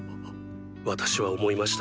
私は思いました。